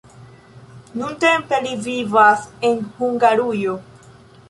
Nuntempe li vivas en Hungarujo.